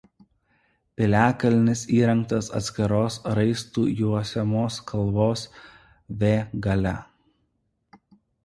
Piliakalnis įrengtas atskiros raistų juosiamos kalvos V gale.